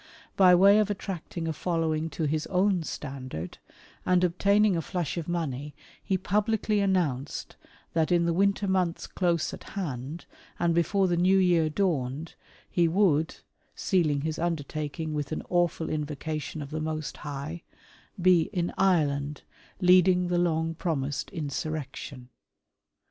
By way of attracting a following to his own standard, and obtaining a flush of money, he publicly announced that in the winter months close at hand, and before the new year dawned, he would (sealing his undertaking with an awful invocation of the Most High) be in Ireland, leading the long promised insurrection.